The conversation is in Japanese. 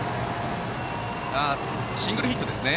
シングルヒットですね。